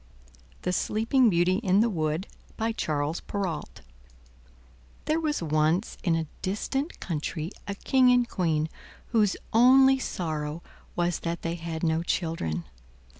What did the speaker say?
THE SLEEPING BEAUTY IN THE WOOD By Charles Perrault There was once in a distant country a King and Queen whose only sorrow was that they had no children.